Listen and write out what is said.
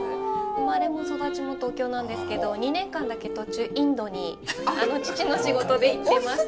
生まれも育ちも東京なんですけど２年間だけ途中インドに父の仕事で行ってました。